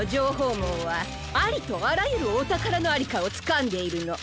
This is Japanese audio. もうはありとあらゆるおたからのありかをつかんでいるの。